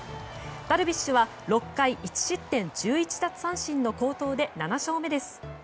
ダルビッシュは６回１失点１１奪三振の好投で７勝目です。